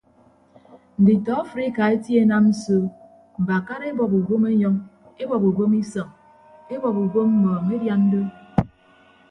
Nditọ afrika etie enam so mbakara ebọp ubom enyọñ ebọp ubom isọñ ebọp ubom mmọọñ edian do.